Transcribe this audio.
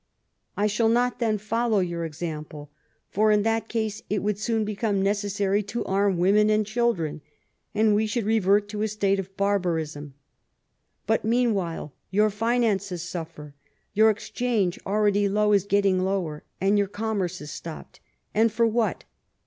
I shall not then follow your example, for in that case it would soon become necessarj' to arm women and chil dren, and we should revert to a state of barbarism. But, meanwhile, your finances suifer, your exchange, already low, is getting lower, and your commerce is stopped. And for what